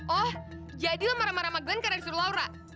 oh jadi lo marah marah sama glenn karena disuruh laura